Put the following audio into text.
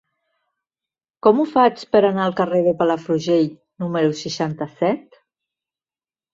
Com ho faig per anar al carrer de Palafrugell número seixanta-set?